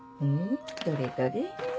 どれどれ。